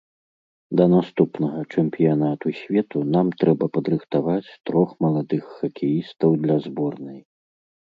Да наступнага чэмпіянату свету нам трэба падрыхтаваць трох маладых хакеістаў для зборнай.